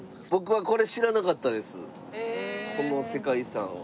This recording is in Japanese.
この世界遺産は。